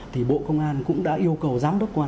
thì bộ công an cũng đã yêu cầu giám đốc công an